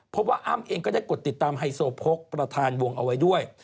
เพราะว่าอ้ำเองก็ได้กดติดตามไฮโซโพกประธานวงเอาไว้ด้วย